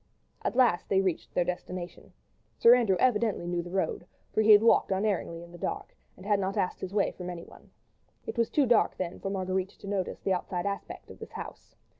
At last they reached their destination. Sir Andrew evidently knew the road, for he had walked unerringly in the dark, and had not asked his way from anyone. It was too dark then for Marguerite to notice the outside aspect of this house.